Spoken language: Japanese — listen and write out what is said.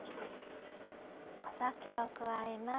お酒を加えます。